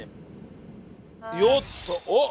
よっとおっ！